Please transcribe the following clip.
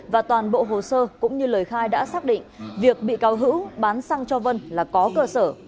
và toàn bộ hồ sơ cũng như lời khai đã xác định việc bị cáo hữu bán xăng cho vân là có cơ sở